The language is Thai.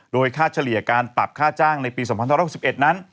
โดยค่าเฉลี่ยการปรับค่าจ้างในปี๒๑๖๑นั้น